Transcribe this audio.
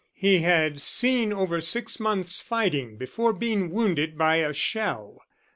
He had seen over six months' fighting before being wounded by a shell.